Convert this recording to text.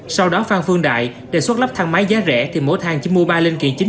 sau đó phan phương đại đề xuất lắp thang máy giá rẻ thì mỗi thang chỉ mua ba linh kiện chính